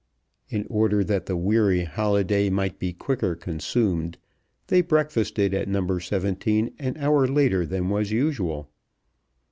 In order that the weary holiday might be quicker consumed, they breakfasted at No. 17 an hour later than was usual.